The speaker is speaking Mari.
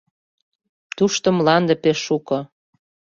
Тушто мланде пеш шуко.